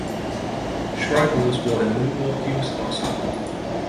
Schreiber was born in Milwaukee, Wisconsin.